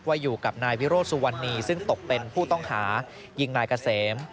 อยู่กับนายวิโรธสุวรรณีซึ่งตกเป็นผู้ต้องหายิงนายเกษม